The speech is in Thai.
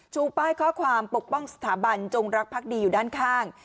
ชูป้ายข้อความปกป้องสถาบันจงรักพักดีอยู่ด้านข้าง